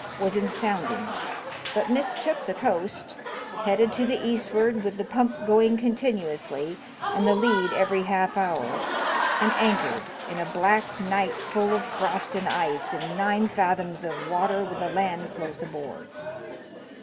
was in soundings, but mistook the coast, headed to the eastward with the pump going continuously, and the lead every half hour, and anchored, in a black night full of frost and ice, in nine fathoms of water with the land close aboard.